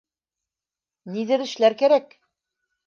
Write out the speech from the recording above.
Ниҙер эшләр кәрәк.